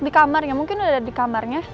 di kamarnya mungkin ada di kamarnya